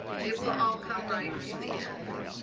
It will all come right in the end."